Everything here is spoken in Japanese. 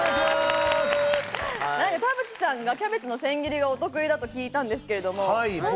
田渕さんはキャベツの千切りがお得意だと聞いたんですけれど。